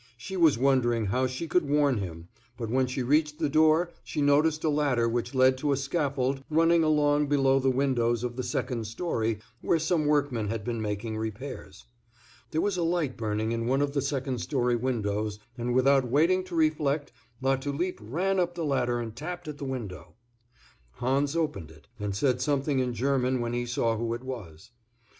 She was wondering how she could warn him, but when she reached the door she noticed a ladder which led to a scaffold running along below the windows of the second story, where some workmen had been making repairs. There was a light burning in one of the second story windows, and without waiting to reflect Latulipe ran up the ladder and tapped at the window. Hans opened it, and said something in German when he saw who it was.